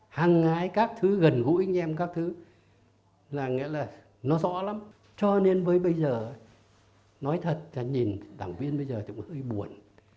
hăng hái các thứ gần gũi anh em các thứ là nghĩa là nó rõ lắm cho nên với bây giờ nói thật là nhìn đảng viên bây giờ thì mới hơi buồn